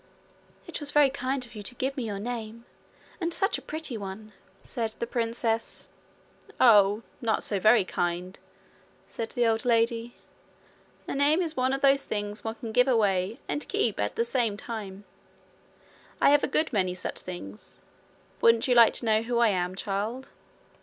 'It was very kind of you to give me your name and such a pretty one,' said the princess. 'Oh, not so very kind!' said the old lady. 'A name is one of those things one can give away and keep all the same. I have a good many such things. Wouldn't you like to know who I am, child?'